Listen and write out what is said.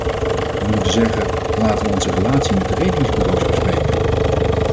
We moeten zeggen: laten we onze relatie met de ratingbureaus bespreken.